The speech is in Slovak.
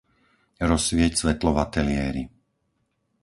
Rozsvieť svetlo v ateliéri.